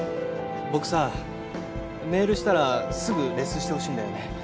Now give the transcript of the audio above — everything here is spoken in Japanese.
僕さメールしたらすぐレスしてほしいんだよね。